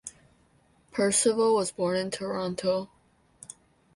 Percival was born in Toronto.